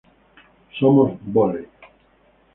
Somos Vóley.